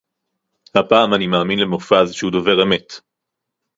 הפעם אני מאמין למופז שהוא דובר אמת